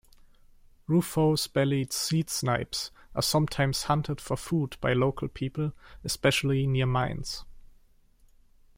Rufous-bellied seedsnipes are sometimes hunted for food by local people, especially near mines.